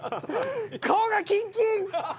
顔がキンキン！